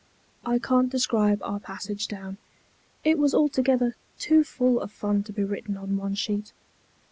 I can't describe our passage down. It was altogether too full of fun to be written on one sheet.